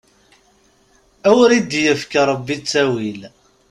Awer i d-yefk Ṛebbi ttawil!